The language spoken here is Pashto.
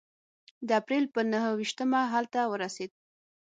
د اپرېل په نهه ویشتمه هلته ورسېد.